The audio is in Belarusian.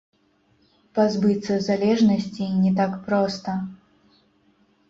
Пазбыцца залежнасці не так проста.